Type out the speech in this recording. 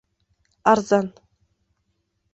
Арзан